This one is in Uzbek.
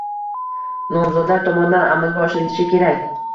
Nomzodlar tomonidan amalga oshirilishi kerak.